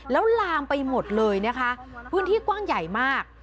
แล้วลามไปหมดเลยนะคะพื้นที่กว้างใหญ่มาก